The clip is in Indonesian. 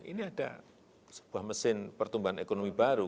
ini ada sebuah mesin pertumbuhan ekonomi baru